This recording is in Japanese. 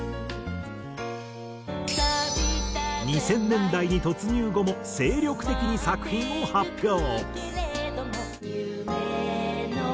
２０００年代に突入後も精力的に作品を発表。